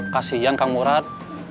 kasian kang murad